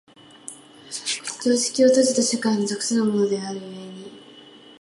常識は閉じた社会に属するものである故に、